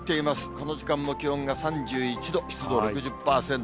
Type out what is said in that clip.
この時間も気温が３１度、湿度６０％。